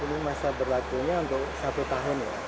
ini masa berlakunya untuk satu tahun ya